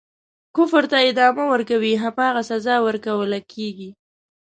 کفر ته ادامه ورکوي هماغه سزا ورکوله کیږي.